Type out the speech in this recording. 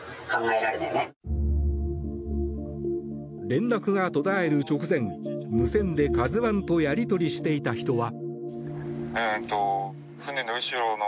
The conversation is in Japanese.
連絡が途絶える直前無線で「ＫＡＺＵ１」とやり取りしていた人は。